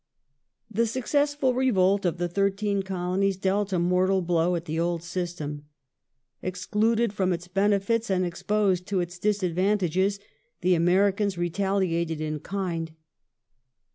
The successful revolt of the thirteen colonies dealt a mortal blow at the old system. Excluded from its benefits and exposed to its disadvantages, the Americans retaliated in kind.